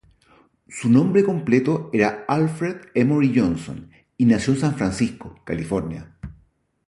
Su nombre completo era Alfred Emory Johnson, y nació en San Francisco, California.